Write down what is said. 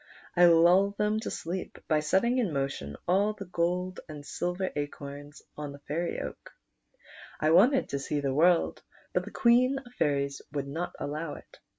1 lull them to rK/XCE DORAN. 155 sleep by setting in motion all the gold and silver acorns on the fairy oak. I wanted to see the world, but the Oucen of the I 'airies would not allow it.